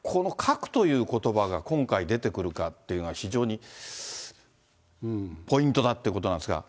その中にやっぱり黒井さん、この核ということばが今回出てくるかっていうのは、非常にポイントだっていうことなんですが。